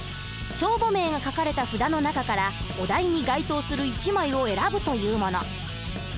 帳簿名が書かれた札の中からお題に該当する一枚を選ぶというもの。